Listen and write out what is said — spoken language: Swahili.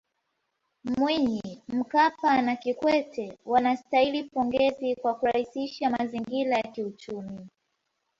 Mwinyi Mkapa na Kikwete wanastahili pongezi kwa kurahisisha mazingira ya kiuchumi